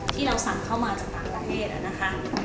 ที่เราสั่งเข้ามาจากต่างประเทศนะคะ